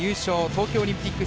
東京オリンピック